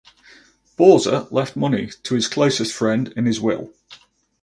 Borza left money to his closest friend in his will.